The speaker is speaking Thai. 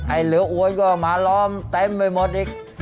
เหลืออวยก็มาล้อมเต็มไปหมดอีก